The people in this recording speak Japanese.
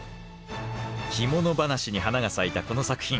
着物話に花が咲いたこの作品。